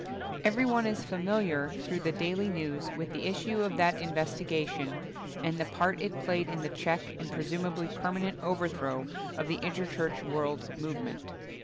Everyone is familiar through the daily news with the issue of that in vestigation, and the part it played in the check, and presumably permanent overthrow, of the Interchurch World Movement.